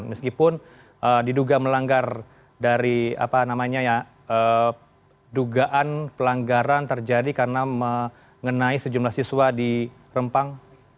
meskipun diduga melanggar dari dugaan pelanggaran terjadi karena mengenai sejumlah siswa di rempang